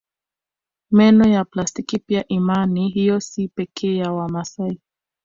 Meno ya plastiki pia imani hiyo si ya pekee kwa Wamasai